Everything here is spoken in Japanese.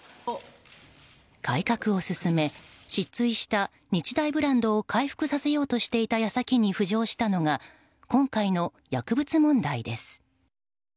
改革を進め失墜した日大ブランドを回復させようとしていた矢先に浮上したのが今回の薬物問題です。